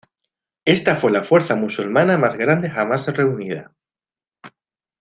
Esta fue la fuerza musulmana más grande jamás reunida.